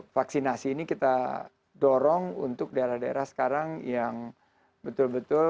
vaksinasi ini kita dorong untuk daerah daerah sekarang yang betul betul